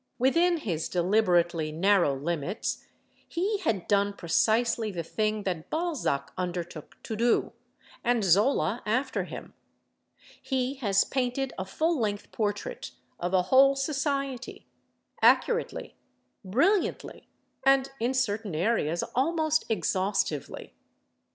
Within his deliberately narrow limits he had done precisely the thing that Balzac undertook to do, and Zola after him: he has painted a full length portrait of a whole society, accurately, brilliantly and, in certain areas, almost exhaustively.